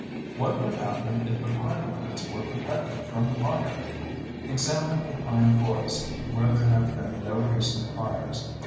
What would happen if the pinelands were protected from fire? Examine a pine forest where there have been no recent fires.